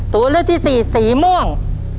ตัวเลือกที่สี่สีม่วง